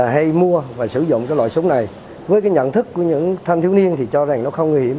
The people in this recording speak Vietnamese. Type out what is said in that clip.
hay mua và sử dụng cái loại súng này với cái nhận thức của những thanh thiếu niên thì cho rằng nó không nguy hiểm